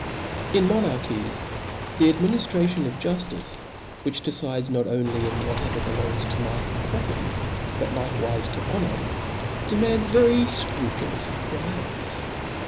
In tnonarchies, theadminiftrationof juftice, which decides pot oply in whatever belongs to life and pro perty, but likewife to honor, demands very fcrupu* lous enquiries.